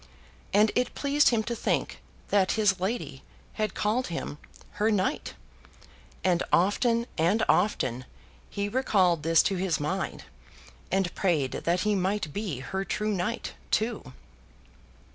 And it pleased him to think that his lady had called him "her knight," and often and often he recalled this to his mind, and prayed that he might be her true knight, too.